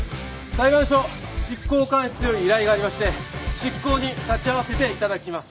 裁判所執行官室より依頼がありまして執行に立ち会わせて頂きます。